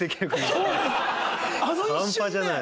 ハンパじゃない。